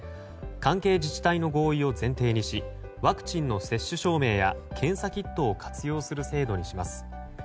関係自治体の合意を前提にしワクチンの接種証明や検査キットを活用する制度にします。